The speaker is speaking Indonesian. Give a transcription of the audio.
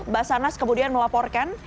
basarnas kemudian melaporkan